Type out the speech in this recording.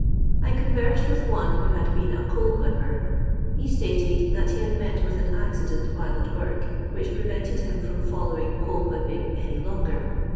I conversed with one who had been a coal whipper. He stated that he had met with an accident while at work which prevented him from following coal whipping any longer.